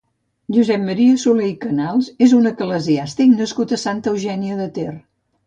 Josep Maria Soler i Canals és un eclesiàstic nascut a Santa Eugènia de Ter.